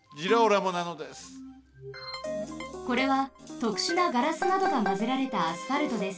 これはとくしゅなガラスなどがまぜられたアスファルトです。